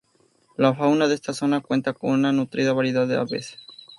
La fauna de esta zona cuenta con una nutrida variedad de aves.